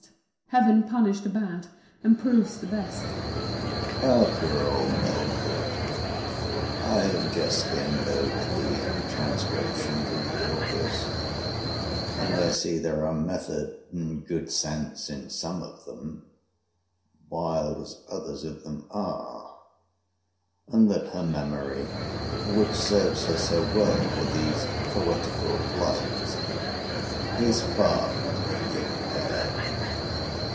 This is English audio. Heav'n punishes the bad, and proves the best. After all, Belford, I have just skimmed over these transcriptions of Dorcas: and I see there are method and good sense in some of them, wild as others of them are; and that her memory, which serves her so well for these poetical flights, is far from being impaired.